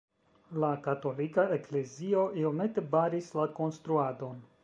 La katolika eklezio iomete baris la konstruadon.